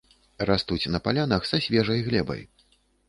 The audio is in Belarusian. Растуць на палянах са свежай глебай.